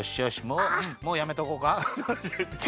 もうもうやめとこうか。